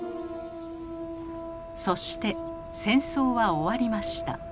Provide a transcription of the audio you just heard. そして戦争は終わりました。